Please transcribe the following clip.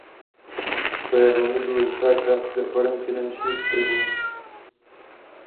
To je velmi důležitá část reforem finančních trhů.